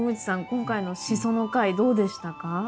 今回のシソの回どうでしたか？